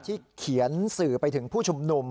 ที่เขียนสื่อไปถึงผู้ชมหนุ่ม